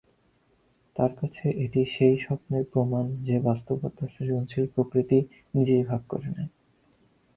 তার কাছে, এটি সেই স্বপ্নের প্রমাণ যে বাস্তবতার সৃজনশীল প্রকৃতি নিজেই ভাগ করে নেয়।